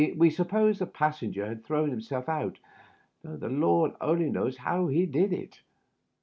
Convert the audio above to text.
We supposed the passenger had thrown himself otLt, tliough the Lord only knows how he did it.